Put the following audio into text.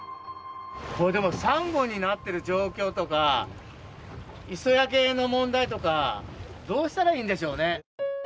これ、でもサンゴになってる状況とか磯焼けの問題とかどうしたらいいんでしょうね？